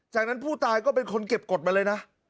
จากนั้นผู้ตายก็เป็นคนเก็บกฎมาเลยนะ